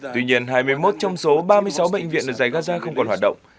tuy nhiên hai mươi một trong số ba mươi sáu bệnh viện ở giải gaza không còn hoạt động